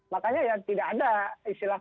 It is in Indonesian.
makanya ya tidak ada istilah